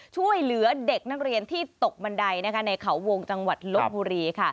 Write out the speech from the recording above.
ช่วยเหลือเด็กนักเรียนที่ตกบันไดในเขาวงจังหวัดลบบุรี